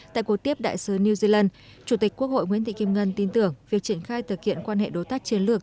tại cuộc tiếp đại sứ new zealand chủ tịch quốc hội nguyễn thị kim ngân tin tưởng việc triển khai thực hiện quan hệ đối tác chiến lược